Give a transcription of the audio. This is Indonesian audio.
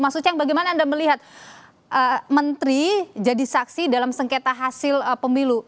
mas uceng bagaimana anda melihat menteri jadi saksi dalam sengketa hasil pemilu